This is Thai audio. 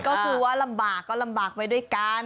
ก็คือว่าลำบากก็ลำบากไปด้วยกัน